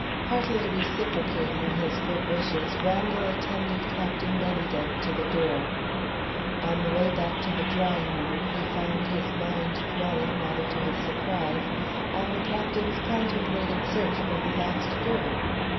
Heartily reciprocating his good wishes, Randal attended Captain Bennydeck to the door. On the way back to the drawing room, he found his mind dwelling, rather to his surprise, on the Captain's contemplated search for the lost girl.